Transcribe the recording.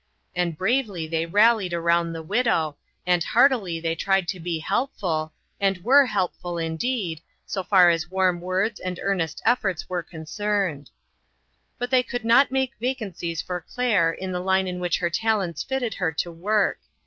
And bravely they rallied around the widow, and heartily they tried to be helpful, and were helpful, indeed, so far as warm words and earnest efforts were concerned. But they could not make vacancies for Claire in the line in which her talents fitted her to work.